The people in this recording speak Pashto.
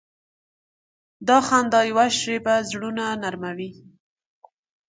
د خندا یوه شیبه زړونه نرمه وي.